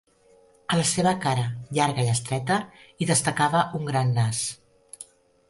A la seva cara llarga i estreta, hi destacava un gran nas.